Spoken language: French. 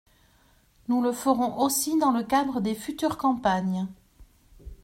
Nous le ferons aussi dans le cadre des futures campagnes.